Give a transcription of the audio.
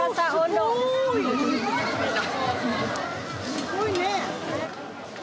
すごいね。